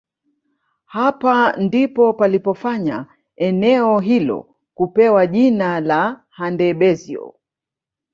Hapa ndipo palipofanya eneo hilo kupewa jina la Handebezyo